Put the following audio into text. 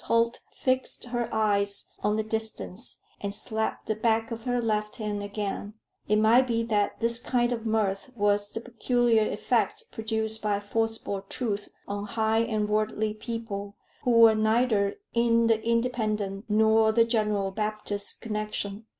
Holt fixed her eyes on the distance, and slapped the back of her left hand again; it might be that this kind of mirth was the peculiar effect produced by forcible truth on high and worldly people who were neither in the Independent nor the General Baptist connection.